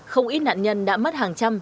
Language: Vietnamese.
không ít nạn nhân đã mất hàng trăm